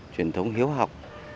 truyền thống hiếu học